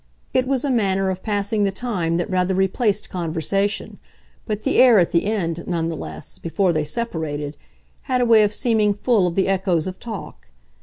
It was a manner of passing the time that rather replaced conversation, but the air, at the end, none the less, before they separated, had a way of seeming full of the echoes of talk.